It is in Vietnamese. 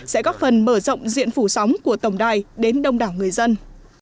sẽ góp phần mở rộng diện phủ sóng của tổng đài đến đông đảo người dân